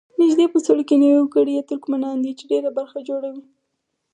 نږدې په سلو کې نوي وګړي یې ترکمنان دي چې ډېره برخه جوړوي.